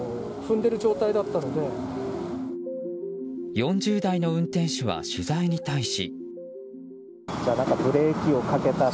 ４０代の運転手は取材に対し。